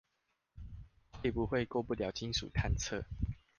會不會過不了金屬探測